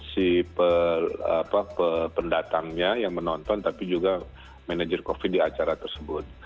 si pendatangnya yang menonton tapi juga manajer covid di acara tersebut